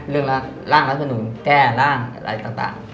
เรื่องล่างรัฐมนุษย์แก้ล่างอะไรต่าง